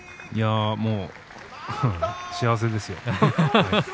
いやもう幸せですよ。